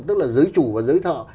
tức là giới chủ và giới thợ